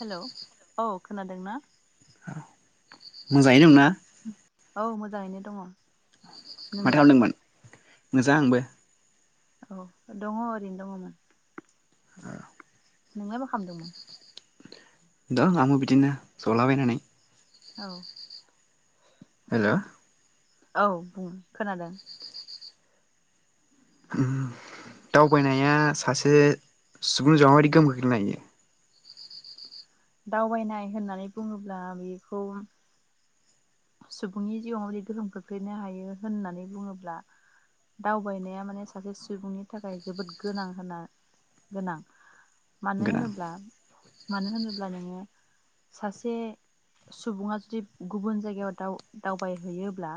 Hello औ। खोनादों ना‌? मोजाङै दं ना? औ मोजाङैनो दङ। माथो खामदोंमोन? मोजांआंबो। औ दङ ओरैनो दङमोन। ए। नोंलाय मा खालामदोंमोन? दं आंबो बिदिनो ज, लाबायनानै। औ। हेल। औ बुं खोनादों। दावबायनाया सासे सुबुंजावारि गोहोम गोग्लैनो हायो। दावबायनाय होननानै बुङोब्ला बेखौ। सुबुंनि जिउआव माबदि गोहोम खोख्लैनो हायो होननानै बुङोब्ला, दावबायनाया माने सासे सुबुंनि थाखाय जोबोद गोनां होनना गोनां। मानो होनोब्ला? मानो होनोब्ला नोङो सासे सुबुङा जुदि गुबुन जायग याव दाव दावबायहैयोब्ला,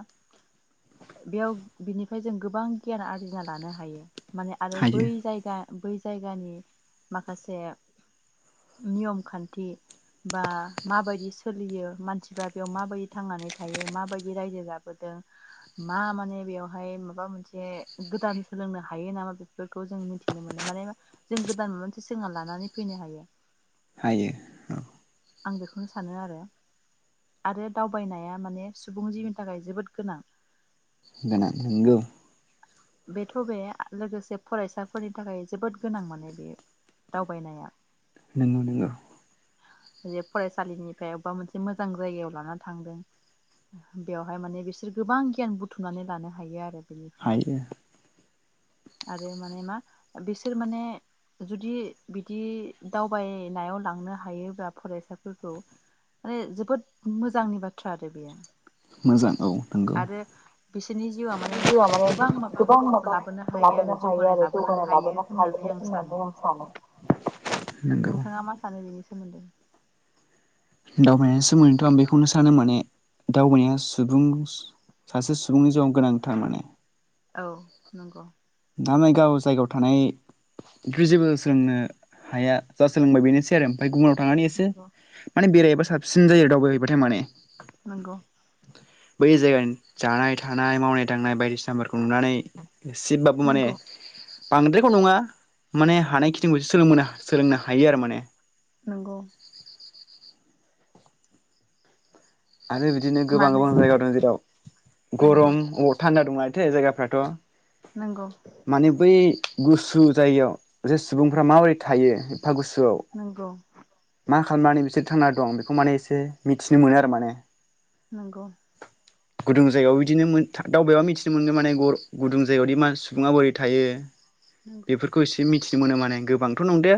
बेयाव बिनिफाय जों गोबां गियान आरजिना लानो हायो। माने आरो बै जायगा बै जायगानि माखासे नियम खान्थि बा माबायदि सोलियो मानसिफ्रा बेयाव माबायद थांनानै थायो माबायदि रायजो जाबोदों? मा माने बेयावहाय माबा मोनसे गोदान सोलोंनो हायो नामा? बेफोरखौ जों मिथिनो मोनो माने जों गोदान माबा मोनसे सोंना लानानै फैनो हायो। आं बेखौनो सानो आरो, आरो दावबायनाया माने सुबुं जिउनि थाखाय जोबोद गोनां। बेथ' बे लोगोसे फरायसाफोरनि थाखाय जोबोद गोनां माने बे, दावबायनाया जे फरायसालिनिफ्राय अबबा मोनसे मोजां जायगायाव लानानैा थांदों बेवहाय माने बिसोर गोबां गियान बुथुमनानै लानो हायो आरो। हायो। आरो माने मा बिसोर माने जुदि बिदि दावबायनायाव लांनो हायोब्ला फरायसाफोरखौ, माने जोबोद मोजांनि बाथ्रा आरो बेयो। मोजां औ नोंगौ। बिसोरनि। जिउआ माने गोबां मा गोबां माबा लाबोनो हायो आरो जौगानाय लाबोनो हायो होननानै आं सानो। नोंथाङा मा सानो बेनि सोमोन्दै? दावबायानाया सुबुं सासे सुबुंनि जिउआव गोनांथार माने। औ नंगौ। दा मा गाव जायगायाव थानाय ग्रेजुबोेल सोलोंनो हाया जा सोलोंबाय बेनोसै आरो ओमफाय गुबुन। थांनानै माने बेरायबा साबसिन जायो दावबायहैबायथाय माने। नंगौ। बै जायगानि जानाय थानाय मावनाय दांनाय बायदिसिनाफोरखौ नुनानै। सिबाबबो माने। बांद्रायखौ नङा, माने हानाय खिनिखौसे सोलों सोलोंनो हायो आरो माने। नोंगौ। आरो बिदिनो गोबां गोबां जायगायाव दं जेराव। गरम अ थान्दा। दं लथाये जायगाफ्राथ। माने बै। गुसु जायगायाव जे सुंबुंफ्रा माबोरै थायो। फागुसुआव मा। खालामनानै बिसोर थांना दं बेखौ माने एसे मिथिनो मोनो आरो माने। गुदुं जायगायाव बिदिनो दावबायबा मिथिनो मोनगोन गर गुदुं जायगायावदि मा सुबुङा बोरै थायो। बेफोरखौ एसे मि थि मोनो माने गोबांथ नंदाया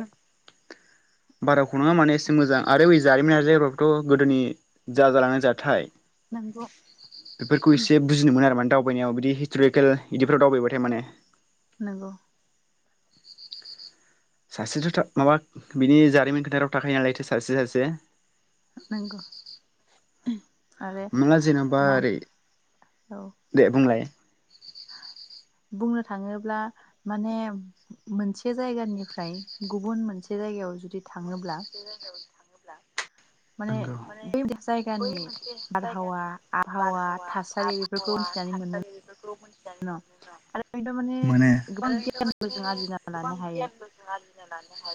बाराखौनाङा माने एसे मोजां आरो बै जारिमिनारि जायगाफ्राबोथ गोदोनि जा जालांनाय जाथाय बेफोरखौ एसे बुजिनो मोनो आरो माने दाव नायाव बिदि हिस्टरिकेल बिदिफोराव दावबायथाय माने नंगौ। सासेथ माबा बिनि जारिमिन खोथाग्राथ थाखायो नालाय सासे सासे। नंगौ। नुवा जेनबा ओरै दे बुंलाय। बुंनो थाङोब्ला माने मोनसे जायगानिफ्राय गुबुन मोनसे जायगायाव जुदि थाङोब्ला [unintelligible] जायगायाव थाङोब्ला नंगौ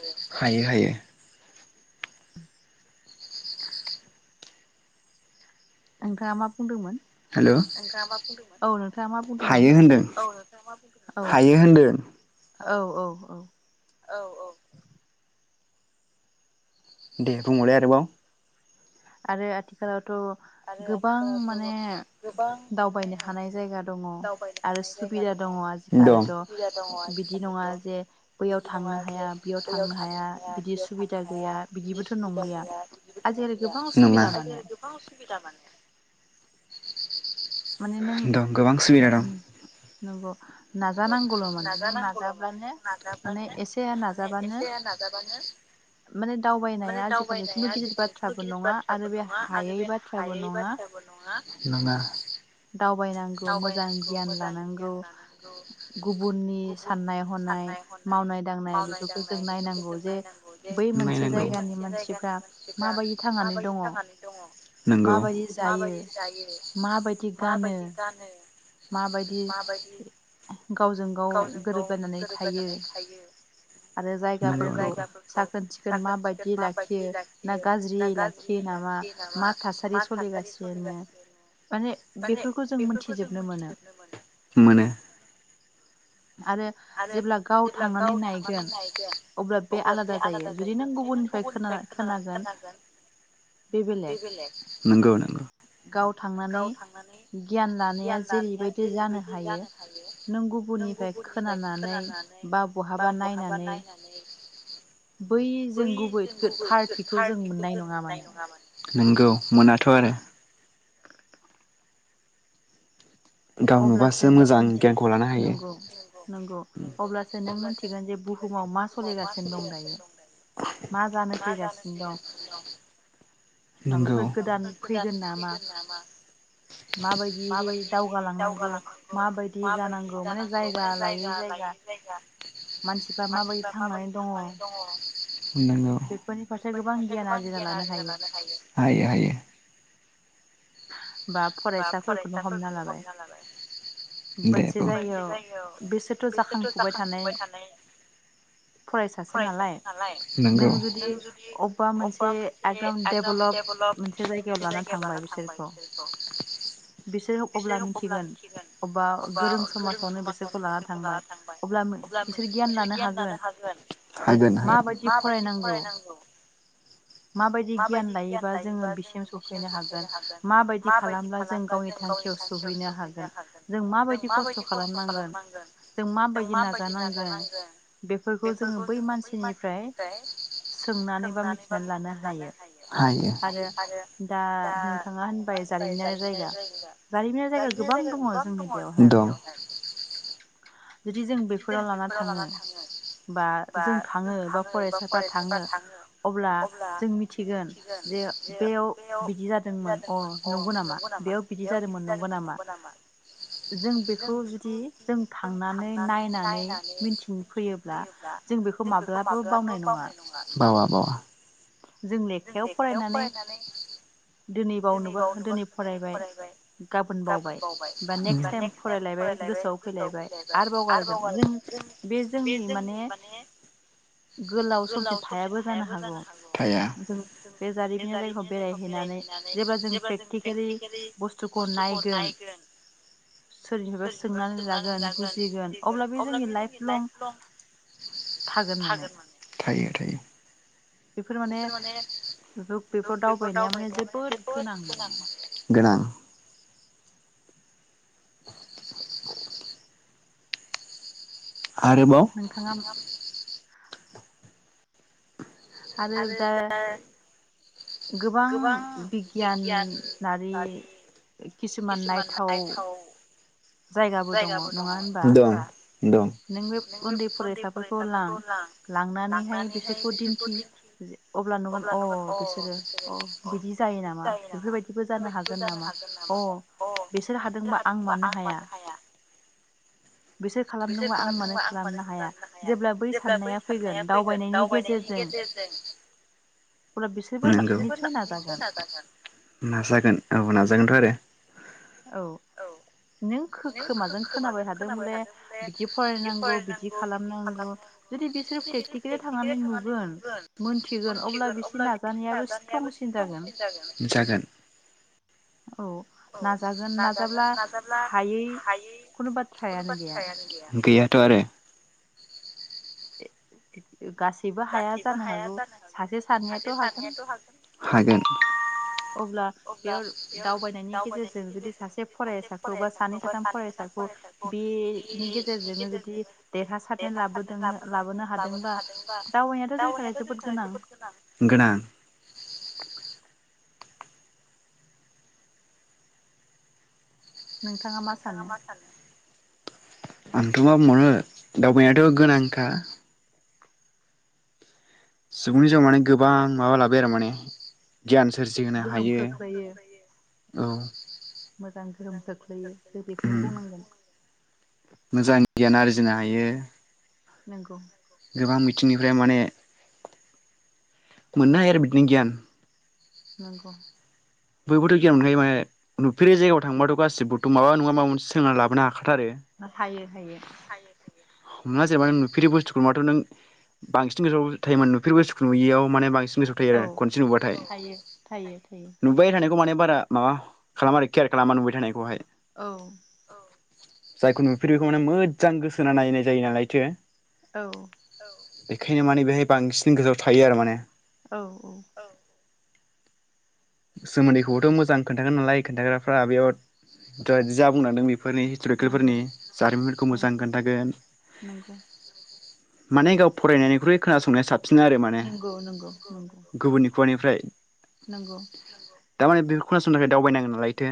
मोनो हायो हायो। नोंथाङा मा बुंदोंमोन? हेल हायो होनदों हायो होनदों दे बुंबावलाय आरोबाव आरो आथिखालाव थ' गोबां माने दावबायनो हानाय जायगा दङ आरो सुबिदा दङ आजिखालिथ' बिदि नङा जे बैयाव थांनो हाया बैयाव थांनो हाया बिदि सुबिदा गैया बिदिबोथ' नंलिया आजिखालि नङा [unintelligible] माने नों नंगौ नङा दावबायनांगौ मोजां गियान लानांगौ गुबुननि साननाय हनाय मावनाय दांनाय बेफोरखौ जों नायनांगौ जे बै मोनसे जायगानि मानसिफ्रा माबायदि थांनानै दङ माबायदि जायो माबायदि माबायदि गानो माबायदि गावजों गाव गोरोबलायनानै थायो आरो जायगाफोरखौ साखोन सिखोन माबायदि लाखियो ना गाज्रियै लाखियो नामा मा थासारि सोलिगासिनो माने बेफोरखौ जों मोनथिजोब मोनो नंगौ नंगौ फ्राय खोनानानै बा बहाबा नायनानै बै जों गुबै गोथारथिखौ जों मोननाय नङा माने नंगौ मोनाथ' आरो अब्लासो मिथि नंगौ नंगौ अब्लासो नों मिथिगोन जे बुहुमाव मा सोलिगासिनो दं दायो मा जानो फैगासिनो दं माबाफोर गोदान फैगोन नामा माबायदिहै दाव लांनांगौ माबायदि जानांगौ माने जायगा लायै जायगा मानसिफ्रा माबोरै थांनानै दङ? नंगौ बेफोरनि फारसे गोबां गियान आरजिना लानो हायो हायो हायो। बा फरायसाफोरखौनो हमना लाबाय दे बुं मोनसे जायगायाव बिसोरथ' जाखांफुबाय थानाय फरायसासो नालाय नंगौ नों जुदि अबेबा मोनसे एदम देभलप मोनसे जायगायाव लाना थांबाय [unintelligible] [inaudible] बिसोर अब्ला मिथिगोन अबा गोरों समाजावनो बिसोरखौ लाना थांबाय अब्ला बिसोर गियान लानो हागोन हागोन माबायदि फरायनांगौ माबायदि गियान लायोबा जोङो बिसिम सफैनो हागोन माबायदि खालामब्ला जों गावनि थांखियाव सहैनो हागोन जों माबायदि खस्थ खालामनांगोन जों माबायदि नाजानांगोन बेफोरखौ जोङो बै मानसिनिफ्राय सोंनानै बा मिथि मिथिनानै लानो हायो हायो आरो दा नोंथाङा होनबाय जारिमिन जायगा जारिमिनारि जायगा गोबां दङ दं जोंनियावहाय जुदि जों बेफोराव लाना थाङो बा जों थाङो बा फरायसाफ्रा थाङो बा जोंमिथिगोन जे बेयाव बिदि जादोंमोन अ नंगौ नामा बेयाव बिदि जादोंमोन नंगौ नामा जों बेखौ जुदि जों थांनानै नानै नायनानै मिथिनो फैयोब्ला जों बेखौ माब्लाबाबो बावनाय नङा बावा बावा जों लेखायाव फरायनानै दिनै बावनोबो दिनै फरायबाय गाबोन बावबाय बा नेक्स्ट टाइम फरायलायबाय गोसोआव फैलायबाय आरोबाव हगारगोन जों बे जोंनि माने गोलाव समसिम थायाबो जानो हागौ। जों बे जारिमिननाारि जायगाखौ बेरायहैनानै जेब्ला जों प्रेकटिकेलि बुस्थुखौ नायगोन सोरनिफ्रायबा सोंनानै लागोन बुजिगोन मिथिगोन अब्ला बे जोंनि लाइफ लं थागोन माने थायो। थायो। बेफोर माने बे बेफोर दावबायनाया माने जोबोर गोनां माने गोनां। [unintelligible] आरोबाव [inaudible] आरो दा गोबां बिगियानारि किसुमान नायथाव जायगाबो दङ नङा होनबा नों बे उन्दै फरायसाफोरखौ लां लांनानैहाय बिसोरखौ दिन्थि अब्ला नुगोन अ बिसोरो अ बिदि जायो नामा बेफोरबायदिबो जानो हागोन नामा अ बिसोर हादोंबा आं मानो मानो हाया। बिसोर खालामदोंबा आं मानो खालामनो हाया जेब्ला बै साननाया फैगोन दावबायनायनि गेजेरजों जों नोंगौ बिफोरनो निसय नाजागोन नाजागोन औ नाजागोनथ आरो औ नों खो-खोमाजों खोनाबाय थादों बले बिदि फरायनांगौ बिदि खालामनांगौ जुदि बिसोर प्रेकटिकेलि थांनानै नुगोन मोनथिगोन अब्ला बिसोरनि नाजानायाबो स्ट्रंसिन जागोन। औ नाजागोन नाजाब्ला हा हायै खुनु बाथ्रायानो गैया। गैया थ' आरोे [inaudible] गासैबो हाया जानो हागौ सासे सानैयााथ' हागोन। हागोन [inaudible] अब्ला बेयाव दावबायनायनि गेजेरजों जुदि सासे फरायसाखौ बा सानै साथाम फरायसाखौ बेनि गेजेरजोंनो जुदि देरहासारनाय लाबोदोंनो लाबोनो हादोंब्ला दावबायनायाथ' जोंनि जोबोद गोनां। गोनां [inaudible] नोंथाङा मा सानो? आंथ' मा बुंबावनो दावबायनायाथ' गोनांखा सुबुंनि जिउआव माने गोबां माबा लाबाय आरो माने गियान गोहोम खोख्लैयो मोजां गोहोम खोख ख्लैयो जों बेखौनो बुंनांगोन। मोजां गियान आर्जिनो हायो। नोंगौ। गोबां बिथिंनिफ्राय माने मोननो हायो आरो बिदिनो गियान। नंगौ। बयबोथ' गियान मोनखायो माने नुफेरै जायगायाव थांबाथ' गासिबोथ' मा नङा माबा मोनसे सोलोंना लाबोनो हा मोसायो थायो हमनाय जाबाय नुफेरै बुस्थुखौ नुबाथ' नों बांसिन गोसोआव थायोमोन नुफेरै बुस्थुखौ नुयियाव माने बांसिन गोसोआव थायो आरो खनसे नुबाथाय नुबाय थानायखौ माने बारा माबा खालामा आरो केयार खालामा नुबाय थानायखौहाय जायखौ नुफेरै बेखौ माने मो जां गोसो होना नायनाय जायो नालायथो औ बेखायनो माने बेहाय बांसिन गोसोआव थायो आरो माने। औ औ सोमोन्दैखौबोथ' मोजां खोन्थागोन नालाय खोनथाग्राफ्रा बेयावद थ जाब बुंनांदों बेफोरनि हिस्ट'रिकेलफोरनि जारिमिनफोरखौ मोजां खोन्थागोन माने गाव फरायनायनिख्रुइ खोनासंनाया साब सिन आरो माने गुबुननि खुगानिफ्राय नोंगौ। दा माने बेखौ खोनासंनो थाखाय दावबायनांगोन नालाय थो।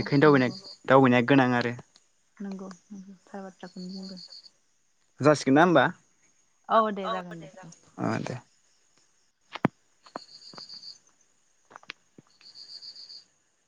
बेखायनो दावबायनाय दावबायनायाद गोनां आरो नोंगौ नोंगौ थार बाथ्राखौनो बुंदों। जासिगोन ना ओमबा? औ दे जागोन दे औ।